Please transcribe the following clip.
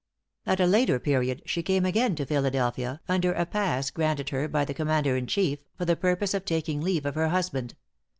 At a later period she came again to Philadelphia, under a pass granted her by the Commander in chief, for the purpose of taking leave of her husband.